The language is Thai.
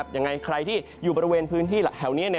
ยังไงใครที่อยู่บริเวณพื้นที่แถวนี้